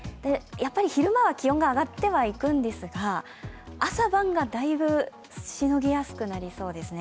昼間は気温が上がってはいくんですが、朝晩がだいぶしのぎやすくなりそうですね。